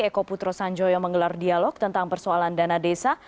eko putro sanjoyo menggelar dialog tentang persoalan dana desa